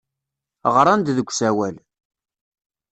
Ɣran-d deg usawal.